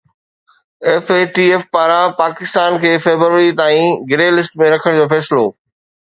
F A T F پاران پاڪستان کي February تائين گري لسٽ ۾ رکڻ جو فيصلو